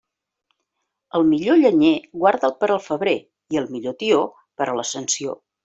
El millor llenyer, guarda'l per al febrer, i el millor tió, per a l'Ascensió.